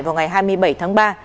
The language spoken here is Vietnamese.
vào ngày hai mươi bảy tháng ba